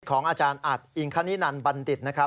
ของอาจารย์อัดอิงคณินันบัณฑิตนะครับ